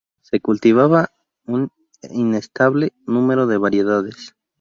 Se cultivaba un inestimable número de variedades.